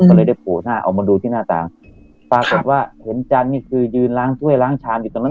ก็เลยได้โผล่หน้าออกมาดูที่หน้าตาปรากฏว่าเห็นจันทร์นี่คือยืนล้างถ้วยล้างชามอยู่ตรงนั้น